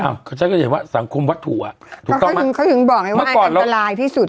อ่าเขาใช้กระดิ่งว่าสังคมวัดถูอ่ะเขาถึงเขาถึงบอกไงว่าอันอันตรายที่สุด